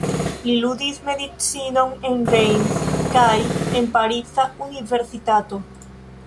Li studis medicinon en Reims kaj en pariza universitato.